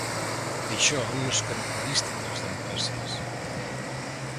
Això no és característic de les democràcies.